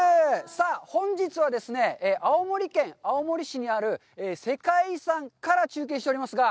さあ本日はですね、青森県青森市にある世界遺産から中継しておりますが。